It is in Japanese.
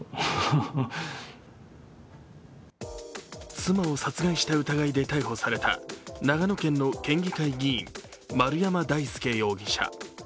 妻を殺害した疑いで逮捕された長野県の憲議会議員、丸山大輔容疑者。